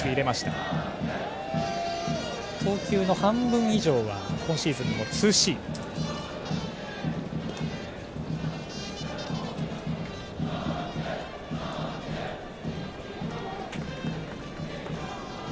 投球の半分以上が今シーズンもツーシームの木澤。